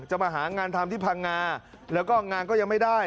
มาหางานทำที่พังงาแล้วก็งานก็ยังไม่ได้